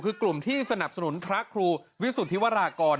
คือกลุ่มที่สนับสนุนพระครูวิสุทธิวรากร